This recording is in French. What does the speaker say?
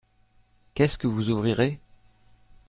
Qu’est-ce que vous ouvrirez ?